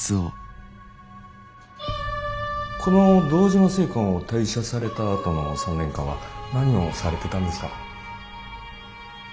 この堂島製缶を退社されたあとの３年間は何をされてたんですか？